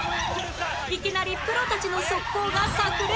いきなりプロたちの速攻が炸裂